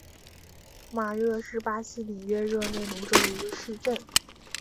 马热是巴西里约热内卢州的一个市镇。